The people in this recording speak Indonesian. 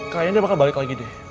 kayaknya dia bakal balik lagi deh